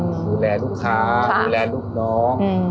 ดูแลลูกค้าดูแลลูกน้อง